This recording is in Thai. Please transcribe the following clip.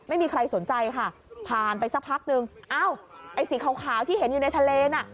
ไม่มีใครสนใจค่ะผ่านไปสักพักนึงอ้าวไอ้สีขาวที่เห็นอยู่ในทะเลน่ะ